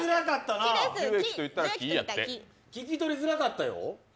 聞き取りづらかったよ？